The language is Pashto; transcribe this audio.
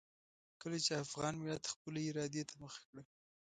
کله چې افغان ملت خپلې ارادې ته مخه کړه.